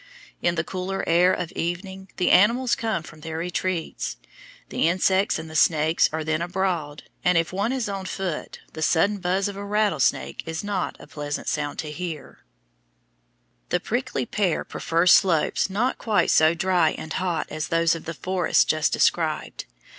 In the cooler air of evening the animals come from their retreats. The insects and the snakes are then abroad, and if one is on foot the sudden buzz of a rattlesnake is not a pleasant sound to hear. [Illustration: FIG. 87. MESQUITE TREE, SANTA CRUZ VALLEY, SOUTHERN ARIZONA] The prickly pear prefers slopes not quite so dry and hot as those of the forest just described.